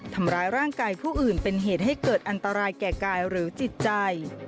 ทำร้ายร่างกายผู้อื่นเป็นเหตุให้เกิดอันตรายแก่กายหรือจิตใจ